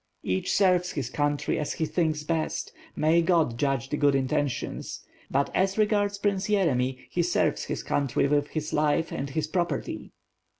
"Each serves his country as he thinks best; may God judge the good intention. But, as regards Prince Yeremy, he serves his country with his life and his property.''